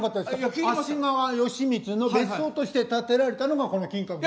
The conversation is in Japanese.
足利義満の別荘として建てられたのがこの金閣寺。